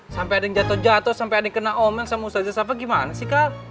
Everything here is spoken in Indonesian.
sampai ada yang jatuh jatuh sampai ada yang kena omeng sama ustadzah saffah gimana sih kal